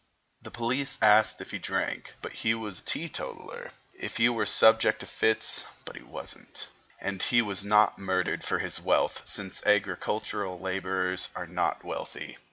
The police asked if he drank, but he was a teetotaler; if he were subject to fits, but he wasn't. And he was not murdered for his wealth, since agricultural laborers are not wealthy.